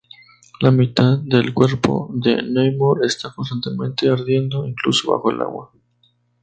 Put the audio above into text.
La mitad del cuerpo de Namor está constantemente ardiendo, incluso bajo el agua.